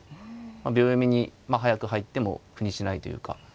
秒読みに早く入っても苦にしないというか。